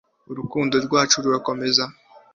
habaho icyuzuzo nziguro cy'uburyo, icy'ahantu